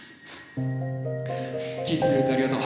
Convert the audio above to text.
聴いてくれてありがとう。